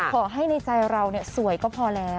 ขอให้ในใจเราสวยก็พอแล้ว